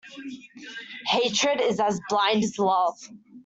Hatred is as blind as love.